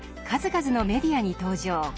数々のメディアに登場。